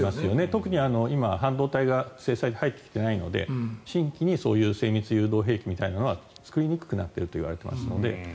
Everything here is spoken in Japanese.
特に今、半導体が制裁で入ってきていないので新規に精密誘導兵器みたいなものは作りにくくなっているといわれていますので。